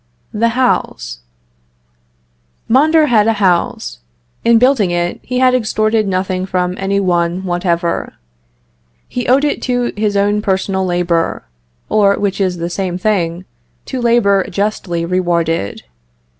THE HOUSE. Mondor had a house. In building it, he had extorted nothing from any one whatever. He owed it to his own personal labor, or, which is the same thing, to labor justly rewarded.